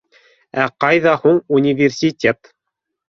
— Ә ҡайҙа һуң университет!